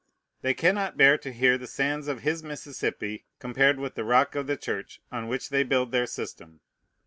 They cannot bear to hear the sands of his Mississippi compared with the rock of the Church, on which they build their system.